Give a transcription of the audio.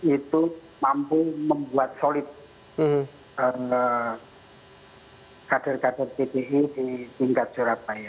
itu mampu membuat solid kader kader pdi di tingkat surabaya